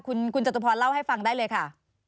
คุณจตุพรเล่าให้ฟังได้เลยค่ะ